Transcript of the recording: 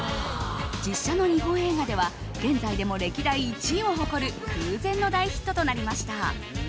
実写の日本映画では現在でも歴代１位を誇る空前の大ヒットとなりました。